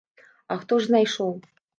А хто ж знайшоў.